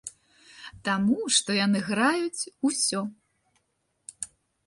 Таму што яны граюць усё.